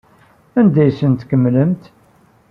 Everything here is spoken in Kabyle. Anda ay asent-tkemmlemt?